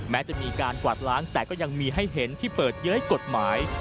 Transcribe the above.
แม้จะมีการกวาดล้างแต่ก็ยังมีให้เห็นที่เปิดเย้ยกฎหมาย